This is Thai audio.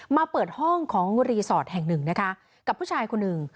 เปิดห้องของรีสอร์ทแห่งหนึ่งนะคะกับผู้ชายคนหนึ่ง